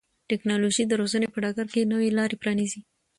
ټکنالوژي د روزنې په ډګر کې نوې لارې پرانیزي.